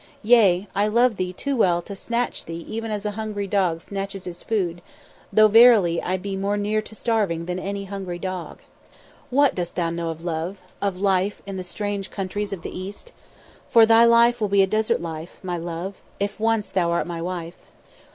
"Yea I love thee too well to snatch thee even as a hungry dog snatches his food, though, verily, I be more near to starving than any hungry dog. What dost thou know of love, of life, in the strange countries of the East? For thy life will be a desert life, my love, if once thou art my wife.